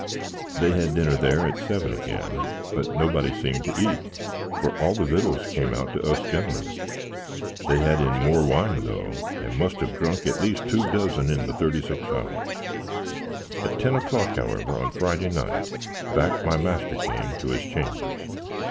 They had dinner there at 7 again, but nobody seamed to eat, for all the vittles came out to us genlmn: they had in more wine though, and must have drunk at least two dozen in the 36 hours. At ten o'clock, however, on Friday night, back my master came to his chambers.